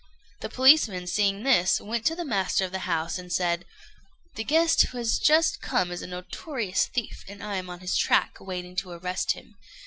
The policeman, seeing this, went to the master of the house and said "The guest who has just come in is a notorious thief, and I am on his track, waiting to arrest him.